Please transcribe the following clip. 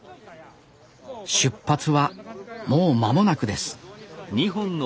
出発はもう間もなくですせの！